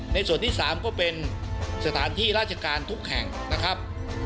ในส่วนที่๓ก็เป็นสถานที่ราชการทุกแห่งนะครับ